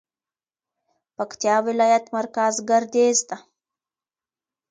پکتيا ولايت مرکز ګردېز ده